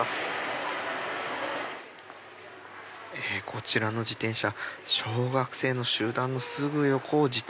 こちらの自転車。